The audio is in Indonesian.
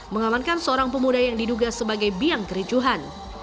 mengamankan seorang pemuda yang diduga sebagai biang kericuhan